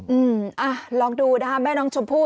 อืมอ่ะลองดูนะคะแม่น้องชมพู่